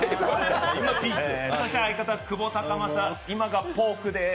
そして相方・久保孝真、今がポークです